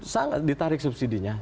sangat ditarik subsidinya